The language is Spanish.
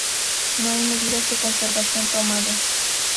No hay medidas de conservación tomadas.